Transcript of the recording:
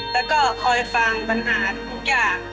แล้วก็คอยฟังปัญหาทุกอย่าง